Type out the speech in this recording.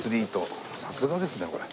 さすがですねこれ。